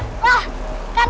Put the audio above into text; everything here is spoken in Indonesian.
kau mau jalan lihat liat dong